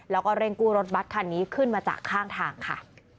แล้วก็เร่งกู้รถบัตรคันนี้ขึ้นมาจากข้างทางค่ะ